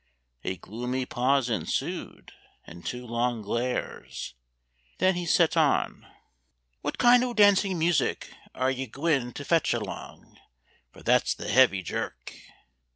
A gloomy pause Ensued, and two long glares. Then he set on, "What kind o' dancing music are ye gwine To fetch along? for that's the heavy jerk."